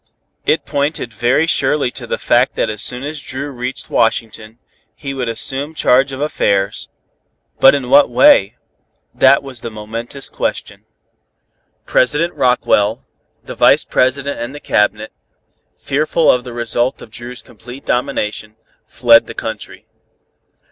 It pointed very surely to the fact that as soon as Dru reached Washington, he would assume charge of affairs. But in what way? That was the momentous question. President Rockwell, the Vice President and the Cabinet, fearful of the result of Dru's complete domination, fled the country.